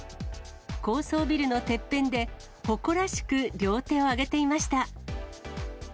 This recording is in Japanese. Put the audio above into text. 高層ビルのてっぺんで、誇らしく両手をあげていました。